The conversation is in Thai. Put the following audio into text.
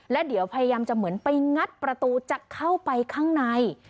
แล้วเดี๋ยวพยายามจะเหมือนไปงัดประตูจะเข้าไปข้างใน